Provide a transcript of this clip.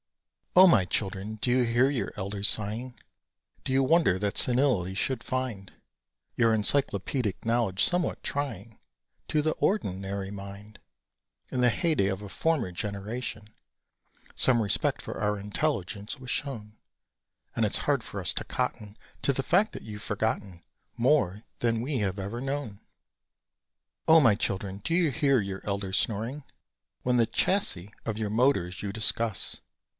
_] O my Children, do you hear your elders sighing? Do you wonder that senility should find Your encyclopædic knowledge somewhat trying To the ordinary mind? In the heyday of a former generation, Some respect for our intelligence was shown; And it's hard for us to cotton To the fact that you've forgotten More than we have ever known! O my Children, do you hear your elders snoring, When the "chassis" of your motors you discuss?